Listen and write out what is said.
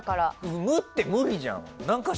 無って無理じゃん。